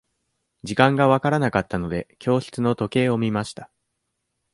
時間が分からなかったので、教室の時計を見ました。